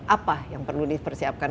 apa yang perlu dipersiapkan